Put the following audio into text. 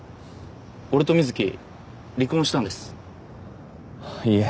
俺と瑞貴離婚したんですいえ